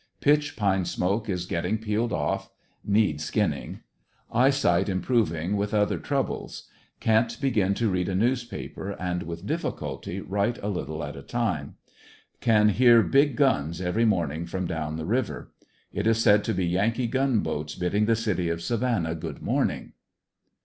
Pitch pine smoke is getting peeled off; need skinning. Eye sight improving with other troubles. Can't begin to read a newspaper and with difiSculty write a little at a time Can hear big guns every morning from down the river; it is said to be yankee gunboats bidding the city of Savannah good morning."